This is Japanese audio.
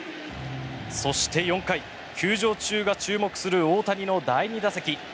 そして、４回球場中が注目する大谷の第２打席。